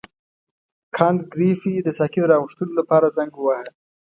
کانت ګریفي د ساقي د راغوښتلو لپاره زنګ وواهه.